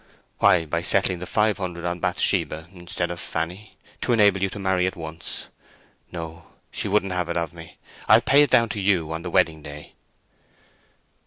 "Why, by settling the five hundred on Bathsheba instead of Fanny, to enable you to marry at once. No; she wouldn't have it of me. I'll pay it down to you on the wedding day."